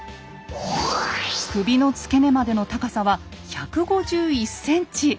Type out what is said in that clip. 首の付け根までの高さは１５１ｃｍ。